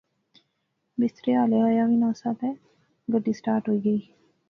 مستری ہالے ایا وی ناسا تے گڈی سٹارٹ ہوئی غئی